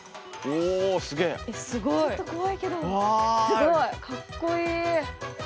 すごいかっこいい！